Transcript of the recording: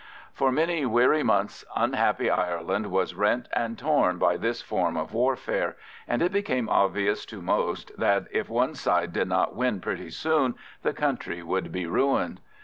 For many weary months unhappy Ireland was rent and torn by this form of warfare, and it became obvious to most that if one side did not win pretty soon the country would be ruined.